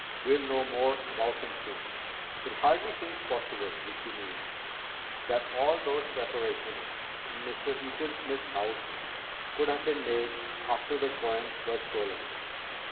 We'll know more about him soon." "It hardly seems possible," Vicki mused, "that all those preparations in Mr. Eaton Smith's house could have been made after the coins were stolen."